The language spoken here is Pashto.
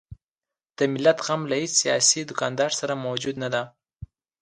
د ملت غم له هیڅ سیاسي دوکاندار سره موجود نه دی.